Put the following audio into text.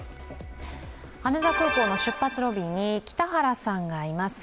羽田空港の出発ロビーに北原さんがいます。